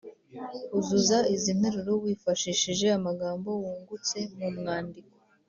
Uzuza izi nteruro wifashishije amagambo wungutse mu mwandiko.